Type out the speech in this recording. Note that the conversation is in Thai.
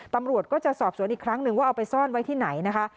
ตำรวจก็จะสอบสวนอีกครั้งหนึ่งว่าเอาไปซ่อนไว้ที่ไหนนะคะ